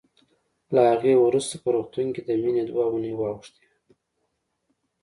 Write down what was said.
له هغې وروسته په روغتون کې د مينې دوه اوونۍ واوښتې